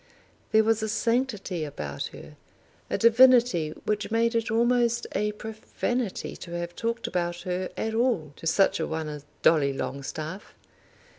There was a sanctity about her, a divinity which made it almost a profanity to have talked about her at all to such a one as Dolly Longstaff.